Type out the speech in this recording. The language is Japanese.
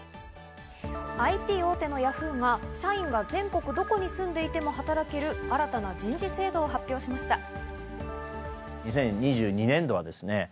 ＩＴ大手のヤフーが社員が全国どこに住んでいても働ける新たな人事制度を発表しました。